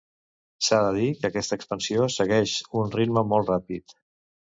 S'ha de dir que aquesta expansió segueix un ritme molt ràpid.